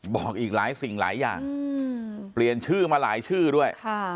บอกอีกหลายสิ่งหลายอย่างเปลี่ยนชื่อมาหลายชื่อด้วย